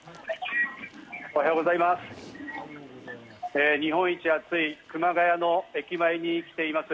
おはようございます。